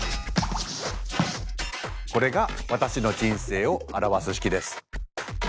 これが私の人生を表す式です。